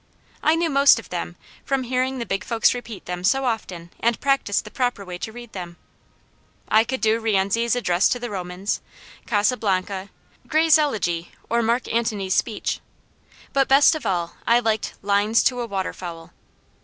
I knew most of them, from hearing the big folks repeat them so often and practise the proper way to read them. I could do "Rienzi's Address to the Romans," "Casablanca," "Gray's Elegy," or "Mark Antony's Speech," but best of all, I liked "Lines to a Water fowl."